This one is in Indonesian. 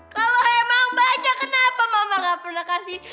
kalau emang banyak kenapa mama gak pernah kasih